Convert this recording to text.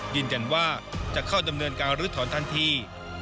ยืนยันว่าจะเข้าดำเนินการลื้อถอนทันที